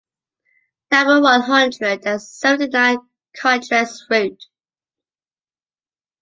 Number one hundred and seventy-nine Contres route.